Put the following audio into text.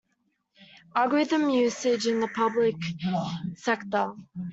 Algorithm usage in the public sector.